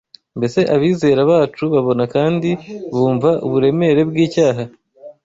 Mbese abizera bacu babona kandi bumva uburemere bw’icyaha